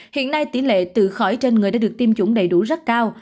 hiện nay tỉ lệ tự khỏi trên người đã được tiêm chủng đầy đủ rất cao